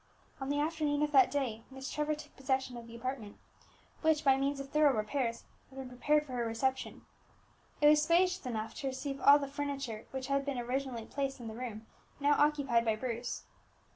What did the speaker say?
On the afternoon of that day, Miss Trevor took possession of that apartment which, by means of thorough repairs, had been prepared for her reception. It was spacious enough to receive all the furniture which had been originally placed in the room now occupied by Bruce.